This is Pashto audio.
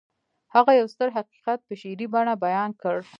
هغه يو ستر حقيقت په شعري بڼه بيان کړ.